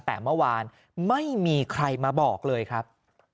แต่เมื่อวานไม่มีใครมาบอกเลยครับ